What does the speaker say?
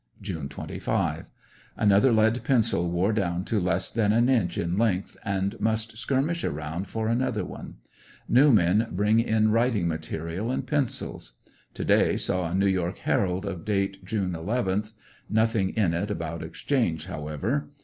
June 25. — Another lead pencil wore down to less than an inch in length, and must skirmish around for another one New men bring in writinaj material and pencils. To day saw a New York Herald of date June 11th, nothing in it about exchange, however.